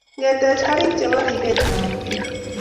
ngetech karik chebo rebet tab kei